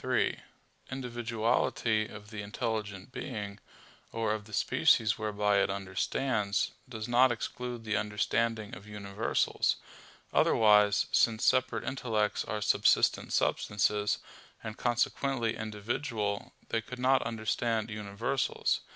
3: Individuality of the intelligent being, or of the species whereby it understands, does not exclude the understanding of universals; otherwise, since separate intellects are subsistent substances, and consequently individual, they could not understand universals.